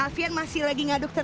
alfian masih lagi ngaduk